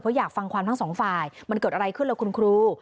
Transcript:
อยากฟังความทั้งสองฝ่ายมันเกิดอะไรขึ้นล่ะคุณครู